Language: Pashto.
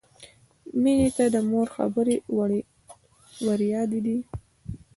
مینې ته د مور خبرې وریادېدې